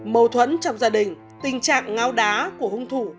mâu thuẫn trong gia đình tình trạng ngao đá của hung thủ